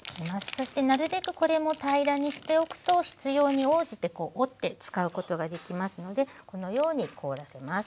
そしてなるべくこれも平らにしておくと必要に応じて折って使うことができますのでこのように凍らせます。